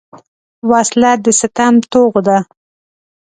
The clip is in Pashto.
وسله د ستم توغ ده